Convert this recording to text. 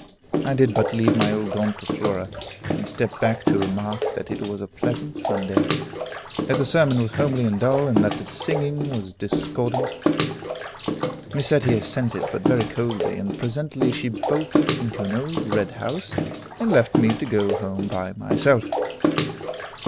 I did but leave my old aunt to Flora, and step back to remark that it was a pleasant Sunday, that the sermon was homely and dull, and that the singing was discordant. Miss Etty assented, but very coldly, and presently she bolted into an old red house, and left me to go home by myself.